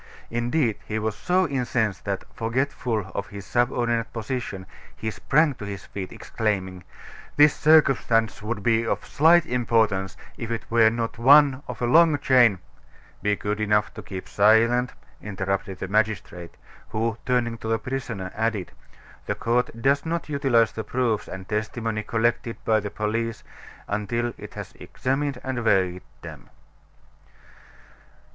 Indeed, he was so incensed that, forgetful of his subordinate position, he sprang to his feet, exclaiming: "This circumstance would be of slight importance if it were not one of a long chain " "Be good enough to keep silent," interrupted the magistrate, who, turning to the prisoner, added: "The court does not utilize the proofs and testimony collected by the police until it has examined and weighed them."